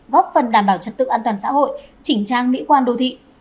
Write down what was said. góp phần đảm bảo trật tự an toàn xã hội chỉnh trang mỹ quan đô thị